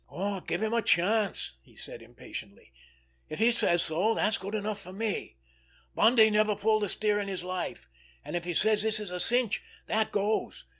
"Aw, give him a chance!" he said impatiently. "If he says so, that's good enough for me. Bundy never pulled a steer in his life, an' if he says this is a cinch—that goes!